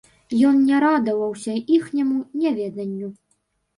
Ён не радаваўся іхняму няведанню.